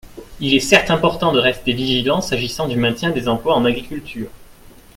Il est certes important de rester vigilant s’agissant du maintien des emplois en agriculture.